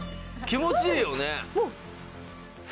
気持ちいいよね？